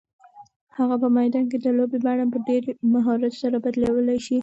هغه په میدان کې د لوبې بڼه په ډېر مهارت سره بدلولی شي.